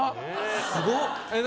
すごっ！